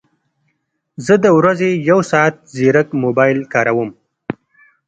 زه د ورځې یو ساعت ځیرک موبایل کاروم